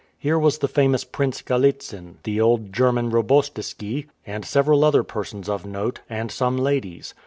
Here was the famous Prince Galitzin, the old German Robostiski, and several other persons of note, and some ladies.